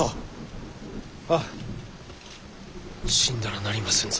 死んだらなりませんぞ。